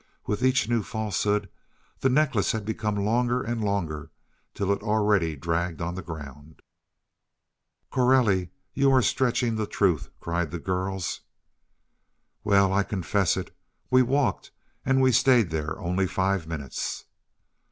With each new falsehood, the necklace had become longer and longer, till it already dragged on the ground. "Coralie, you are stretching the truth," cried the girls. "Well, I confess it. We walked, and we stayed there only five minutes."